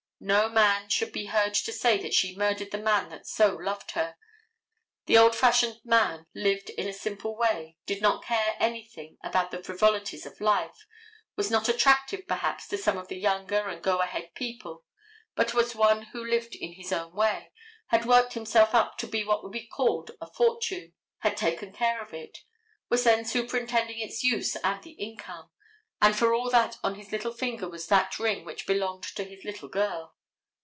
No man should be heard to say that she murdered the man that so loved her. The old fashioned man lived in a simple way, did not care anything about the frivolities of life, was not attractive, perhaps, to some of the younger and go ahead people, but was one who lived in his own way, had worked himself up to what would be called a fortune, had taken care of it, was then superintending its use and the income, and for all that on his little finger was that ring which belonged to his little girl.